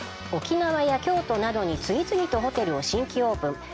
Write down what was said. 沖縄や京都などに次々とホテルを新規オープン